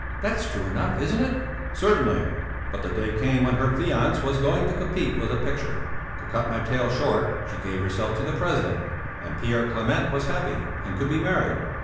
That's true enough, isn't it?" "Certainly! But the day came when her fiancé was going to compete with a picture. To cut my tale short, she gave herself to the president, and Pierre Clément was happy and could be married."